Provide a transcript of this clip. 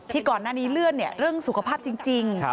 ก่อนหน้านี้เลื่อนเรื่องสุขภาพจริง